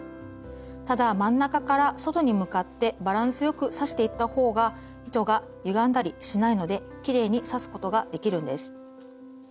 ただ真ん中から外に向かってバランスよく刺していったほうが糸がゆがんだりしないのできれいに刺すことができるんです。